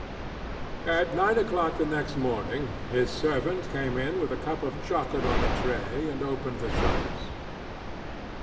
At nine o'clock the next morning his servant came in with a cup of chocolate on a tray and opened the shutters.